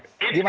gimana tuh pak